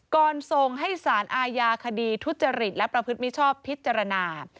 ส่งให้สารอาญาคดีทุจริตและประพฤติมิชชอบพิจารณา